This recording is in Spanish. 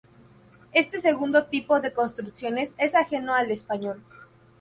Este segundo tipo de construcciones es ajeno al español.